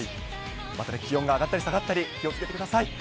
またね、気温が上がったり下がったり、気をつけてください。